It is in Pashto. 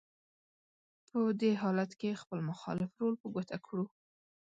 په دې حالت کې خپل مخالف رول په ګوته کړو: